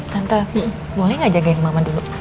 tante boleh gak jagain mama dulu